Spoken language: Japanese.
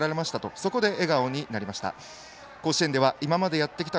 そこで笑顔になりました。